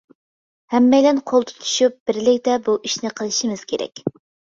ھەممەيلەن قول تۇتۇشۇپ بىرلىكتە بۇ ئىشنى قىلىشىمىز كېرەك.